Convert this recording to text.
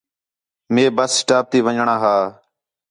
مئے بس سٹاپ تی ون٘ڄݨاں ہا